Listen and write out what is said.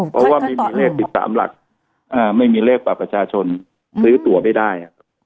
เพราะว่าไม่มีเลข๑๓หลักไม่มีเลขบัตรประชาชนซื้อตัวไม่ได้